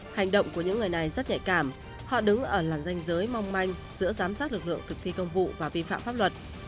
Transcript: hành động của những người này rất nhạy cảm họ đứng ở làn danh giới mong manh giữa giám sát lực lượng thực thi công vụ và vi phạm pháp luật